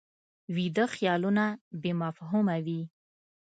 ویده خیالونه بې مفهومه وي